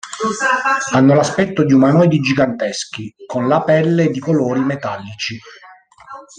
Hanno l'aspetto di umanoidi giganteschi, con la pelle di colori metallici.